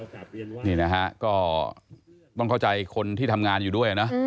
นี่นะฮะก็ต้องเข้าใจคนที่ทำงานอยู่ด้วยนะ